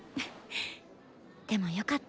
でもよかった。